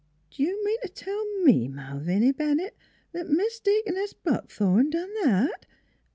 " Do you mean t* tell me, Malviny Bennett, that Mis' Deaconess Buckthorn done that?